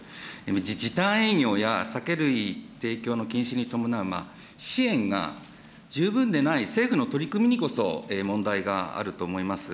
時短営業や酒類提供の禁止に伴う支援が十分でない、政府の取り組みにこそ、問題があると思います。